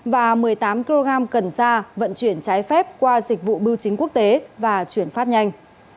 và một mươi tám kg cần sa vận chuyển trái phép qua dịch vụ bưu chính quốc tế và chuyển phát nhanh